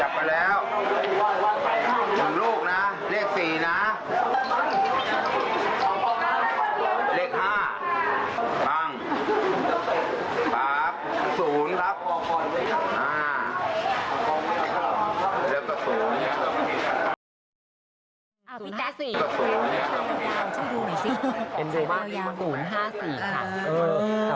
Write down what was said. ของพี่ใจแอ้นกันคือ๐๕๔ค่ะ